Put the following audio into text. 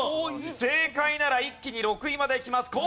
正解なら一気に６位まで行きます。